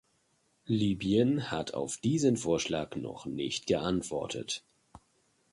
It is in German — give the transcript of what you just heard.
Libyen hat auf diesen Vorschlag noch nicht geantwortet.